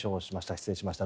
失礼しました。